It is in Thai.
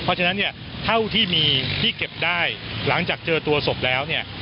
เพราะฉะนั้นเนี่ยเท่าที่มีที่เก็บได้หลังจากเจอตัวศพแล้วเนี่ย